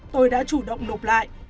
tôi đã chủ động nộp lại